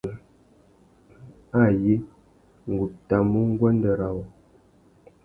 Ayé, ngu tà mu nguêndê râ wô.